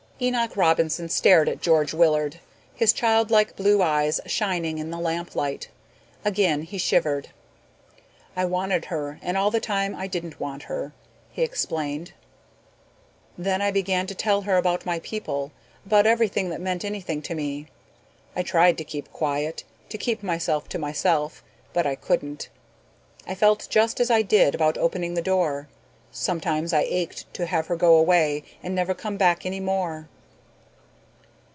Enoch Robinson stared at George Willard, his childlike blue eyes shining in the lamplight. Again he shivered. "I wanted her and all the time I didn't want her," he explained. "Then I began to tell her about my people, about everything that meant anything to me. I tried to keep quiet, to keep myself to myself, but I couldn't. I felt just as I did about opening the door. Sometimes I ached to have her go away and never come back any more."